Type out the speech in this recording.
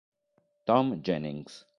Tom Jennings